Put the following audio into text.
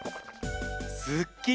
すっきり！